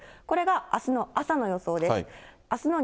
これがあすの朝の予想です。